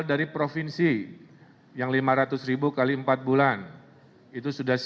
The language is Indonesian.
untuk ke krievonesian perompokannya